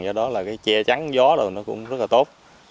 do đó là cái che trắng gió nó cũng rất là tốt